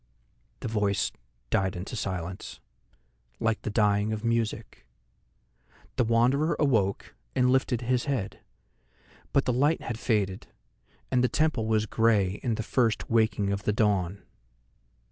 The voice died into silence, like the dying of music. The Wanderer awoke and lifted his head, but the light had faded, and the temple was grey in the first waking of the dawn.